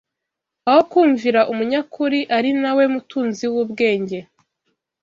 aho kumvira Umunyakuri ari na we mutunzi w’ubwenge